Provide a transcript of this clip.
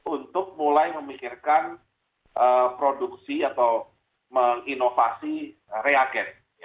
untuk mulai memikirkan produksi atau inovasi reagent